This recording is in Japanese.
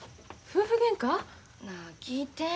夫婦げんか？なあ聞いて。